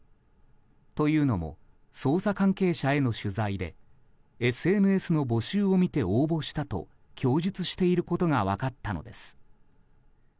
というのも捜査関係者への取材でＳＮＳの募集を見て応募したと供述していることが分かったのです。